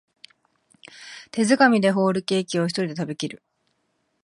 手づかみでホールケーキをひとりで食べきる